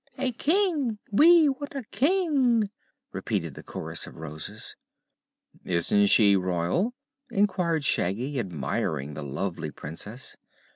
"A King! We want a King!" repeated the chorus of Roses. "Isn't she Royal?" inquired Shaggy, admiring the lovely Princess.